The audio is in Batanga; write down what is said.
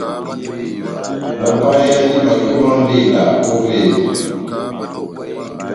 Náhápayeyandi makɛ má mbela óvévé ?